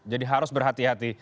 jadi harus berhati hati